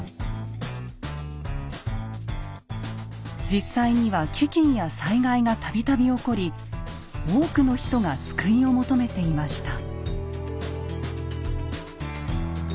実際には飢きんや災害が度々起こり多くの人が救いを求めていました。